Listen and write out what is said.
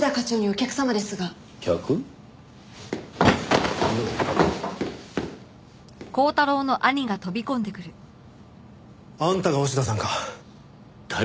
客？あんたが押田さんか？